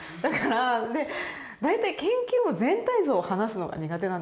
で大体研究も全体像を話すのが苦手なんですよ。